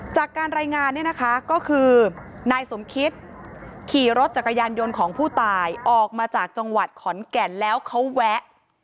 จากการรายงานเนี่ยนะคะก็คือนายสมคิตขี่รถจักรยานยนต์ของผู้ตายออกมาจากจังหวัดขอนแก่นแล้วเขาแวะ